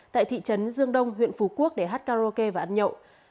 tại thị trấn dương đông huyện phú quốc để hát karaoke và ăn nhậu